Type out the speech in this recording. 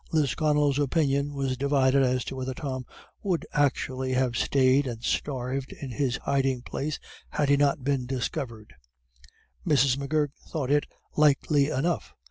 Lisconnel's opinion was divided as to whether Tom would actually have stayed and starved in his hiding place had he not been discovered. Mrs. M'Gurk thought it likely enough.